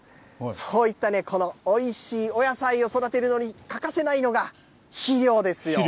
そういったこのおいしいお野菜を育てるのに欠かせないのが肥料ですよ。